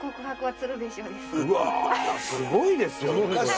うわすごいですよ。